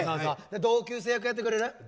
同級生役やってくれる？